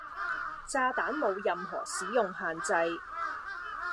炸彈冇任何使用限制